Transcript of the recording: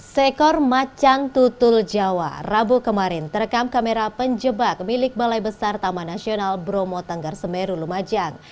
sekor macan tutul jawa rabu kemarin terekam kamera penjebak milik balai besar taman nasional bromo tenggar semeru lumajang